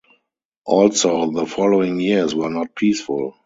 Also the following years were not peaceful.